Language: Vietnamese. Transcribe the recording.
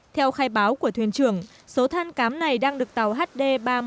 theo khai báo của thuyền trưởng số than cám này đang được tàu hd ba nghìn một trăm sáu mươi tám